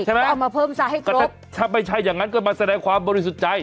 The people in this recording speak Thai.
ใช่ไหมก็เอามาเพิ่มซาให้ครบถ้าไม่ใช่อย่างนั้นก็มาแสดงความบริสุทธิ์ใจ